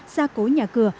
xa cối nhà cửa